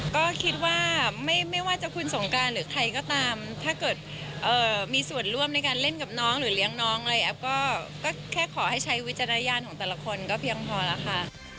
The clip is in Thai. ก็คิดว่าไม่ว่าจะคุณสงการหรือใครก็ตามถ้าเกิดมีส่วนร่วมในการเล่นกับน้องหรือเลี้ยงน้องอะไรแอฟก็แค่ขอให้ใช้วิจารณญาณของแต่ละคนก็เพียงพอแล้วค่ะ